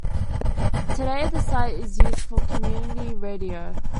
Today the site is used for Community Radio.